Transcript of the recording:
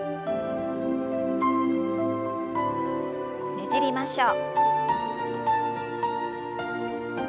ねじりましょう。